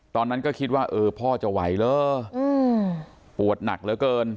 ตอนนั้นก็คิดว่าเออพ่อจะไหวเหรอปวดหนักเหลือเกิน